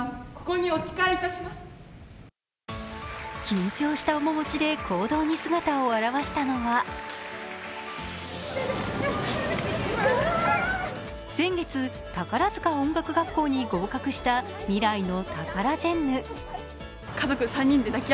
緊張した面持ちで、講堂に姿を表したのは先月、宝塚音楽学校に合格した未来のタカラジェンヌ。